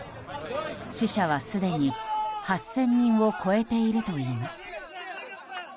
死者は、すでに８０００人を超えているといいます。